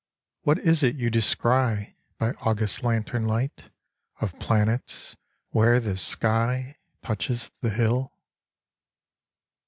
What is it you descry By august lantern light Of planets, where the sky Touches the hill?